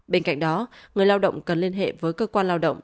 bên cạnh đó người lao động cần liên hệ với cơ quan lao động